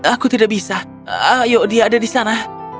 aku tidak bisa ayo dia ada di sana